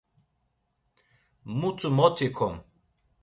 Mutu mot ikom!